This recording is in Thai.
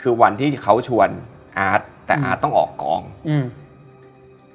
คือวันที่เขาชวนอาร์ตแต่อาร์ตต้องออกกองอืม